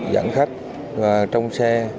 dẫn khách và trong xe